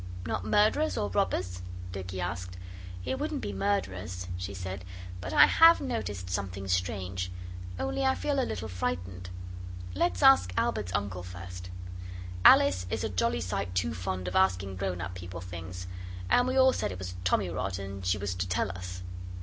'Not murderers or robbers?' Dicky asked. 'It wouldn't be murderers,' she said; 'but I have noticed something strange. Only I feel a little frightened. Let's ask Albert's uncle first.' Alice is a jolly sight too fond of asking grown up people things. And we all said it was tommyrot, and she was to tell us.